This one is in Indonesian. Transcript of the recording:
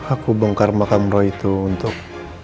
aku bongkar makam roh itu untuk